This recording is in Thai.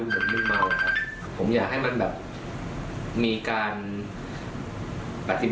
และยืนยันเหมือนกันว่าจะดำเนินคดีอย่างถึงที่สุดนะครับ